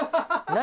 何？